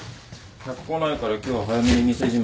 客来ないから今日は早めに店じまい。